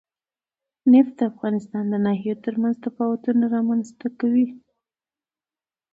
نفت د افغانستان د ناحیو ترمنځ تفاوتونه رامنځ ته کوي.